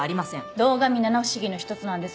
堂上７不思議の一つなんです。